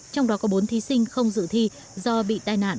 trong đó có bốn thí sinh không dự thi do bị tai nạn